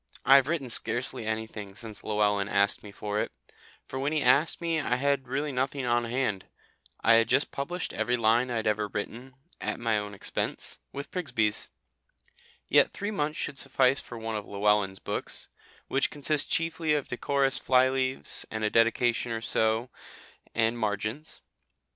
I have written scarcely anything since Llewellyn asked me for it, for when he asked me I had really nothing on hand. I had just published every line I had ever written, at my own expense, with Prigsbys. Yet three months should suffice for one of Llewellyn's books, which consist chiefly of decorous fly leaves and a dedication or so, and margins.